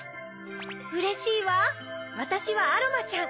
うれしいわわたしはアロマちゃん。